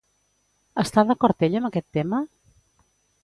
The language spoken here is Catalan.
Està d'acord ell amb aquest tema?